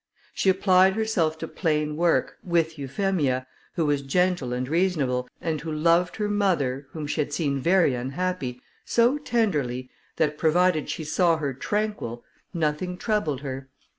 She applied herself to plain work, with Euphemia, who was gentle and reasonable, and who loved her mother, whom she had seen very unhappy, so tenderly, that provided she saw her tranquil, nothing troubled her.